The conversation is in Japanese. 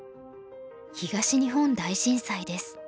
東日本大震災です。